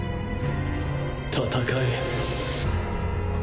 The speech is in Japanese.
戦え。